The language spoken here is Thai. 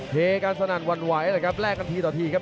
เทกันสนั่นหวั่นไหวเลยครับแลกกันทีต่อทีครับ